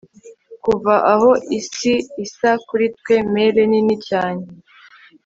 Kuva aho isi isa kuri twe melee nini cyane